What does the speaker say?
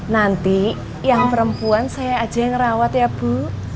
nanti yang perempuan saya aja yang rawat ya bu